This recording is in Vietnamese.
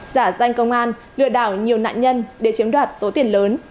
giả danh công an lừa đảo nhiều nạn nhân để chiếm đoạt số tiền lớn